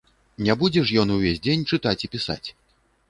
Не будзе ж ён увесь дзень чытаць і пісаць.